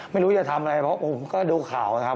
ไม่รู้จะทำอะไรเพราะผมก็ดูข่าวนะครับ